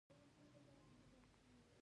روبوټونه د جګړې په ځای د سولې لپاره کارېږي.